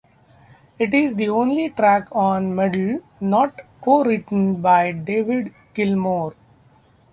It is the only track on "Meddle" not co-written by David Gilmour.